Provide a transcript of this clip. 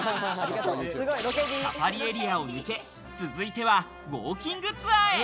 サファリエリアを抜け、続いてはウォーキングツアーへ。